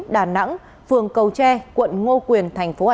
đà nẵng phường cầu tre quận ngô quyền